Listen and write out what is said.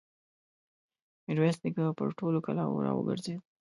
ميرويس نيکه پر ټولو کلاوو را وګرځېد.